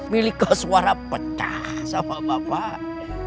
pilih kos warah pecah sama bapak